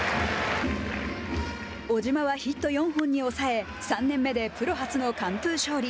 小島はヒット４本に抑え３年目でプロ初の完封勝利。